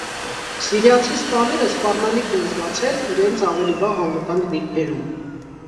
Սիրիացի սպաները սպառնալիք են զգացել իրենց ավելի վաղ անվտանգ դիրքերում։